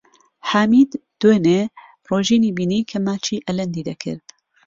حامید دوێنێ ڕۆژینی بینی کە ماچی ئەلەندی دەکرد.